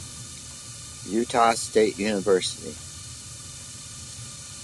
Utah State University.